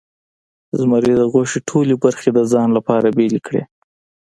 زمري د غوښې ټولې برخې د ځان لپاره بیلې کړې.